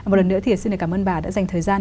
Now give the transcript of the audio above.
một lần nữa thì xin cảm ơn bà đã dành thời gian